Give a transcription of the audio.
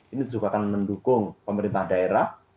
ini juga akan mendukung pemerintah daerah